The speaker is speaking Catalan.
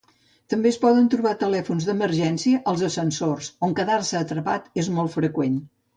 També es poden trobar telèfons d'emergència als ascensors, on quedar-se atrapat és molt freqüent.